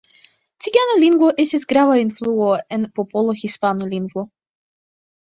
Cigana lingvo estis grava influo en popola hispana lingvo.